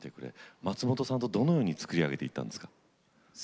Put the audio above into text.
松本さんとどのようなふうに作られていたんですか。